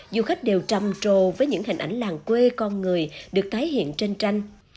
du khách đều trầm trồ với những hình ảnh làng quê con người được tái hiện trên tranh